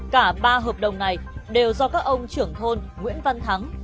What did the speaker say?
cả ba hợp đồng này đều do các ông trưởng thôn nguyễn văn thắng